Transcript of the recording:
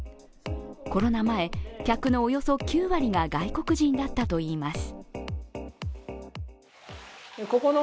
コロナ前、客のおよそ９割が外国人だったといいます。